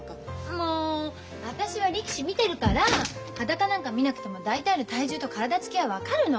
もう私は力士見てるから裸なんか見なくても大体の体重と体つきは分かるの！